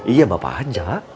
iya bapak aja